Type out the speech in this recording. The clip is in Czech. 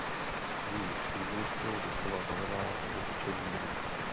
Její přízvisko doslova znamená "děvče míru".